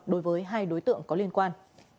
đối với hai đối tượng có liên quan